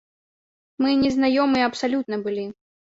Мы не знаёмыя абсалютна былі.